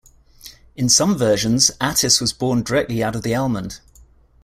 In some versions, Attis was born directly out of the almond.